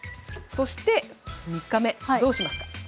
そして３日目どうしますか？